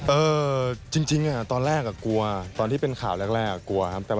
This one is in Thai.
เออจริงตอนแรกกลัวตอนที่เป็นข่าวแรกกลัวครับ